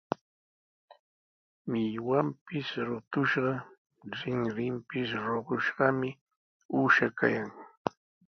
Millwanpis rutushqa, rinrinpis ruqushqami uusha kaykan.